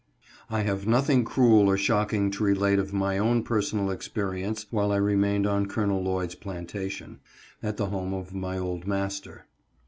I HA YE nothing cruel or shocking to relate of my own personal experience while I remained on Col. Lloyd's plantation, at the home of my old master.